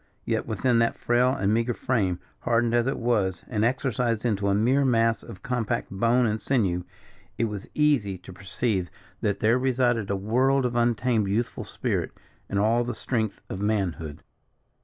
Yet within that frail and meagre frame, hardened as it was, and exercised into a mere mass of compact bone and sinew, it was easy to perceive that there resided a world of untamed youthful spirit, and all the strength of manhood.